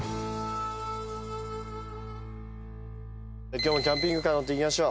今日もキャンピングカー乗って行きましょう。